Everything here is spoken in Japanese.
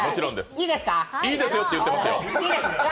「いいですよ」って言ってますよ。